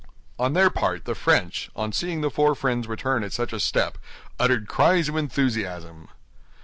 On their part, the French, on seeing the four friends return at such a step, uttered cries of enthusiasm.